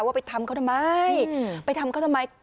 ว่าไปทำเขาทำไมไปทำเขาทำไม